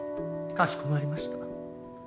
かしこまりました。